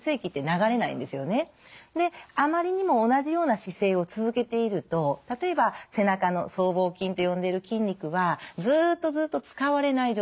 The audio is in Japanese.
であまりにも同じような姿勢を続けていると例えば背中の僧帽筋と呼んでる筋肉はずっとずっと使われない状態なわけなんです。